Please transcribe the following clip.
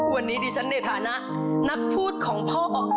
วันนี้ดิฉันในฐานะนักพูดของพ่อ